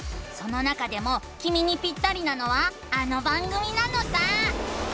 その中でもきみにピッタリなのはあの番組なのさ！